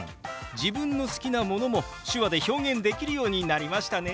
自分の好きなものも手話で表現できるようになりましたね。